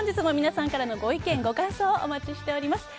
本日も皆さんからのご意見、ご感想をお待ちしております。